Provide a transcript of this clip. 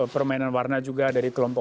permainan warna juga dari kelompok